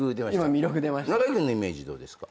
中居君のイメージどうですか？